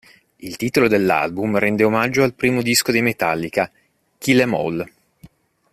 Il titolo dell'album rende omaggio al primo disco dei Metallica, "Kill 'Em All".